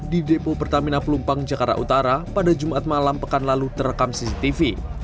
di depo pertamina pelumpang jakarta utara pada jumat malam pekan lalu terekam cctv